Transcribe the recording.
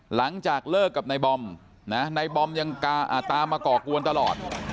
หลังจากเลิกกับนายบอมนะนายบอมยังตามมาก่อกวนตลอด